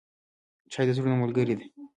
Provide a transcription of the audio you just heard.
چای د زړونو ملګری دی.